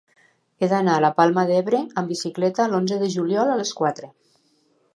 He d'anar a la Palma d'Ebre amb bicicleta l'onze de juliol a les quatre.